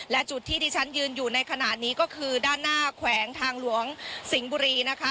และจุดที่ที่ฉันยืนอยู่ในขณะนี้ก็คือด้านหน้าแขวงทางหลวงสิงห์บุรีนะคะ